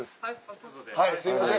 すいません